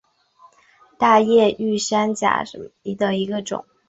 大叶玉山假瘤蕨为水龙骨科假瘤蕨属下的一个种。